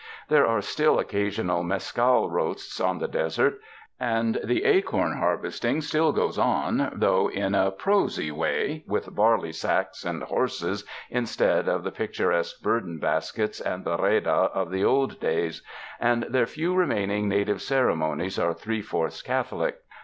There are still oc casional mescal roasts on the desert; and the acorn harvesting still goes on, though in a prosy way, with barley sacks and horses instead of the pic turesque burden baskets and the reda of the old days ; and their few remaining native ceremonies are three fourths Catholic."